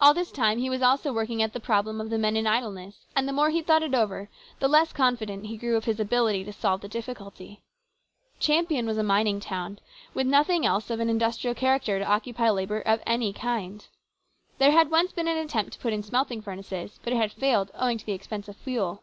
All this time he was also working at the problem of the men in idleness, and the more he thought it over the less confident he grew of his ability to solve the difficulty. Champion was a mining town, with nothing else of an industrial character to occupy labour of any kind. There had once been an attempt to put in smelting furnaces, but it had failed owing to the expense of fuel.